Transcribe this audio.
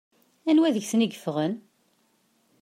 Anwa deg-sen i yeffɣen?